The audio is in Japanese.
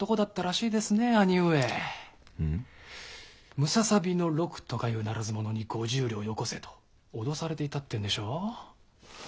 むささびの六とかいうならず者に５０両よこせと脅されていたっていうんでしょう？